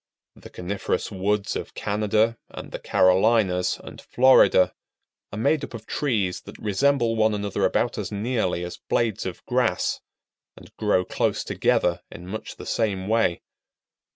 The coniferous woods of Canada, and the Carolinas, and Florida, are made up of trees that resemble one another about as nearly as blades of grass, and grow close together in much the same way.